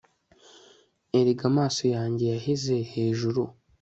erega amaso yanjye yaheze hejuru